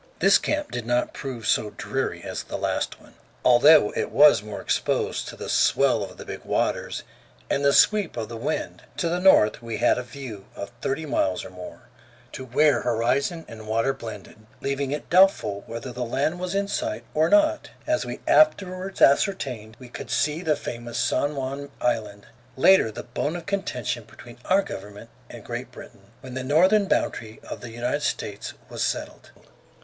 This camp did not prove so dreary as the last one, although it was more exposed to the swell of the big waters and the sweep of the wind. To the north we had a view of thirty miles or more, to where horizon and water blended, leaving it doubtful whether land was in sight or not. As we afterwards ascertained, we could see the famous San Juan Island, later the bone of contention between our government and Great Britain, when the northern boundary of the United States was settled.